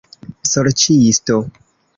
Sorĉisto!